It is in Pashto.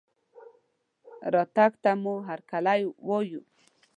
رتګ ته مو هرکلى وايو